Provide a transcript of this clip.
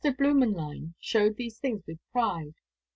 Blümenlein showed these things with pride.